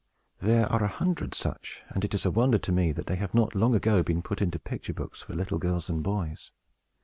There are a hundred such; and it is a wonder to me that they have not long ago been put into picture books for little girls and boys.